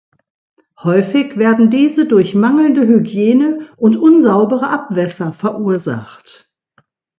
Häufig werden diese durch mangelnde Hygiene und unsaubere Abwässer verursacht.